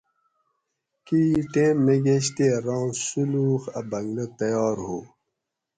کئ ٹیم نہ گیش تے ران سُولوخ اۤ بنگلہ تیار ہُو